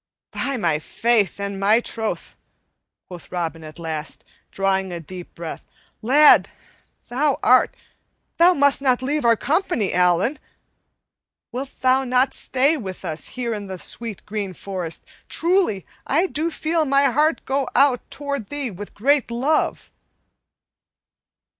"By my faith and my troth," quoth Robin at last, drawing a deep breath, "lad, thou art Thou must not leave our company, Allan! Wilt thou not stay with us here in the sweet green forest? Truly, I do feel my heart go out toward thee with great love."